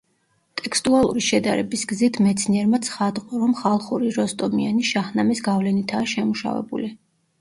ტექსტუალური შედარების გზით მეცნიერმა ცხადყო, რომ ხალხური „როსტომიანი“ „შაჰნამეს“ გავლენითაა შემუშავებული.